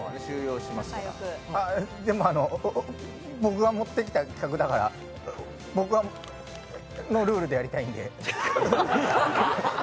でも、あの、僕が持ってきた企画だから、僕、のルールでやりたいんで。